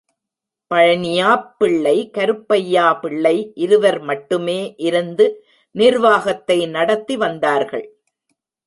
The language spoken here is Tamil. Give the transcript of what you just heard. பழனியாப்பிள்ளை, கருப்பையாபிள்ளை, இருவர் மட்டுமே இருந்து நிர்வாகத்தை நடத்தி வந்தார்கள்.